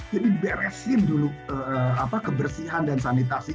jadi beresin dulu kebersihan dan sanitasinya